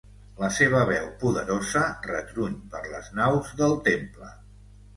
La seva veu poderosa retruny per les naus del temple.